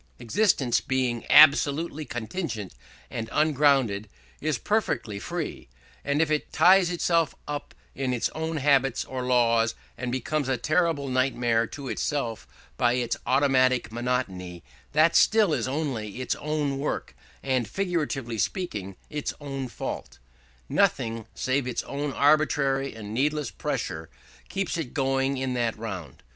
Existence, being absolutely contingent and ungrounded, is perfectly free: and if it ties itself up in its own habits or laws, and becomes a terrible nightmare to itself by its automatic monotony, that still is only its own work and, figuratively speaking, its own fault. Nothing save its own arbitrary and needless pressure keeps it going in that round.